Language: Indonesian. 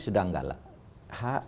sudah enggak lah